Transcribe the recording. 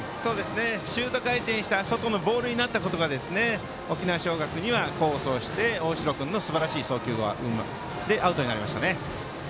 シュート回転した外のボールになったことが沖縄尚学には功を奏して大城君のすばらしい送球でアウトになりましたね。